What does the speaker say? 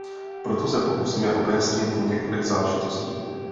Proto se pokusíme objasnit několik záležitostí.